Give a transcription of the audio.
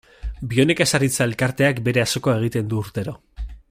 Bionekazaritza elkarteak bere azoka egiten du urtero.